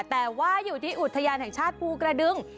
แต่ว่าอยู่ที่อุทยานแห่งชาติภูกระดึง